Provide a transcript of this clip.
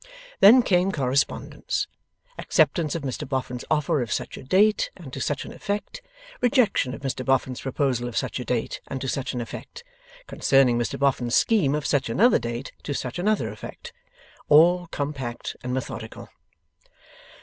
Then came correspondence. Acceptance of Mr Boffin's offer of such a date, and to such an effect. Rejection of Mr Boffin's proposal of such a date and to such an effect. Concerning Mr Boffin's scheme of such another date to such another effect. All compact and methodical.